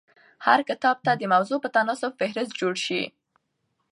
هر کتاب ته دي د موضوع په تناسب فهرست جوړ سي.